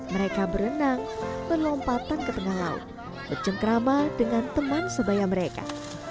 mereka berenang berlompatan ke tengah laut bercengkrama dengan teman sebaya mereka